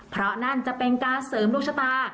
เพราะนั่นจะเป็นการเสริมดวงชะตา